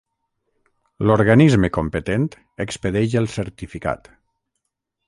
L'organisme competent expedeix el certificat.